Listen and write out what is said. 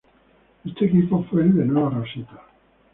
Este equipo fue el de Nueva Rosita.